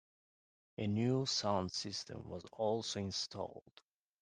A new sound system was also installed.